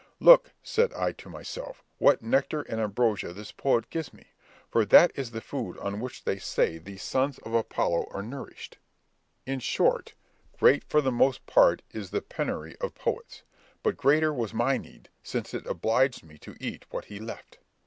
Look, said I to myself, what nectar and ambrosia this poet gives me; for that is the food on which they say these sons of Apollo are nourished. In short, great for the most part is the penury of poets; but greater was my need, since it obliged me to eat what he left.